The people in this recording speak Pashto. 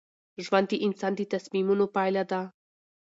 ژوند د انسان د تصمیمونو پایله ده.